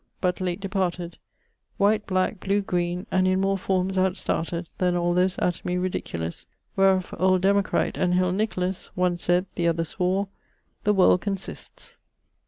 but late departed; White, black, blew, greene; and in more formes out started Than all those Atomi ridiculous Wherof old Democrite and Hill Nicholas, One sayd, the other swore, the world consists.